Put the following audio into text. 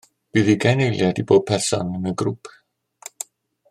Bydd ugain eiliad i bob person yn y grŵp